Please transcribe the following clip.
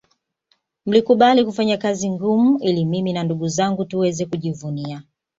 Mlikubali kufanya kazi ngumu ili mimi na ndugu zangu tuweze kujivunia